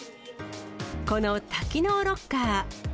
この多機能ロッカー。